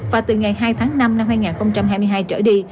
và từ ngày hai tháng năm năm hai nghìn hai mươi hai trở đi